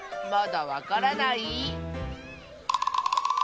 まだわからない？